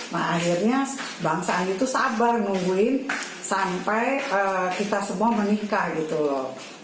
nah akhirnya bang sandi itu sabar nungguin sampai kita semua menikah gitu loh